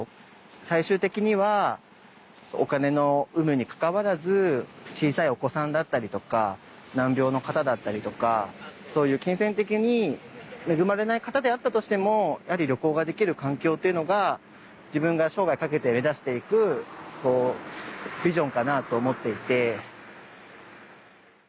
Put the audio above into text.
最終的にはお金の有無にかかわらず小さいお子さんだったりとか難病の方だったりとかそういう金銭的に恵まれない方であったとしてもやはり旅行ができる環境っていうのが自分が生涯かけて目指していくビジョンかなと思っていて。